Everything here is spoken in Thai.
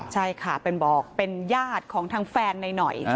ใช่ค่ะเป็นบอกเป็นญาติของทางแฟนนายหน่อย